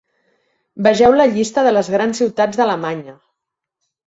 Vegeu la Llista de les grans ciutats d'Alemanya.